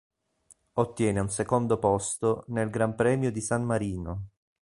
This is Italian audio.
Ottiene un secondo posto nel Gran Premio di San Marino.